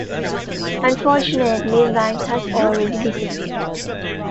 Unfortunately, Wang has already disappeared.